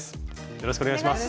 よろしくお願いします。